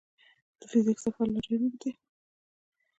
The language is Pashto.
د فزیک سفر لا ډېر اوږ دی.